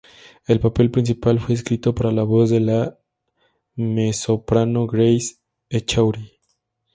El papel principal fue escrito para la voz de la Mezzosoprano Grace Echauri.